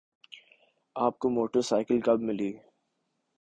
آپ کو motorcycle کب ملی؟